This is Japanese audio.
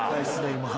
今。